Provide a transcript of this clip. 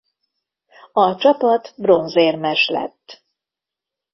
A csapat bronzérmes lett.